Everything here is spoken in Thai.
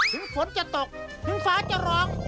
ฝนจะตกถึงฟ้าจะร้อง